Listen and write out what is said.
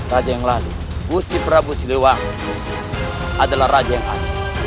raja yang lalu gusti prabu siliwangi adalah raja yang lalu